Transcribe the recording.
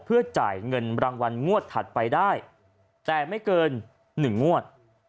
เพื่อจ่ายเงินรางวัลงวดถัดไปได้แต่ไม่เกิน๑งวด